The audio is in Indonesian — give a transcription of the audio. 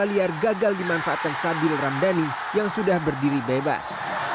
lima liar gagal dimanfaatkan sabil ramdhani yang sudah berdiri bebas